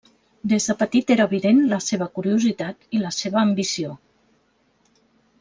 Des de petit era evident la seva curiositat i la seva ambició.